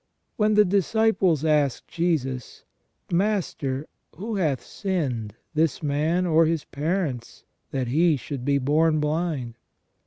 When the disciples asked Jesus: "Master, who hath sinned, this man, or his parents, that he should be born blind?"